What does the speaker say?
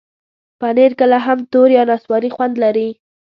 پنېر کله هم تور یا نسواري خوند لري.